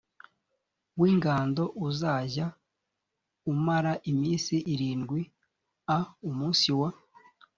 w ingando uzajya umara iminsi irindwi a umunsi wa